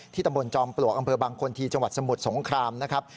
ตำบลจอมปลวกอำเภอบางคนที่จังหวัดสมุทรสงครามนะครับ